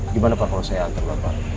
gimana pak kalau saya antar bapak